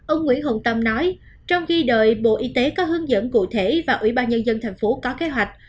ông nguyễn hồng tâm nói trong khi đợi bộ y tế có hướng dẫn cụ thể và ủy ban nhân dân thành phố có kế hoạch